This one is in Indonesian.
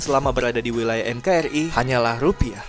selama berada di wilayah nkri hanyalah rupiah